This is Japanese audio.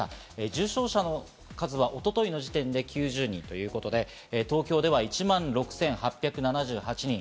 重症者の数は一昨日時点で９０人ということで、東京では１万６８７８人。